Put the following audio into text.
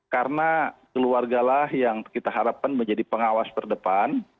karena keluargalah yang kita harapkan menjadi pengawas berdepan